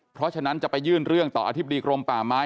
เพราะฉะนั้นจะไปยื่นเรื่องต่ออธิบดีกรมป่าไม้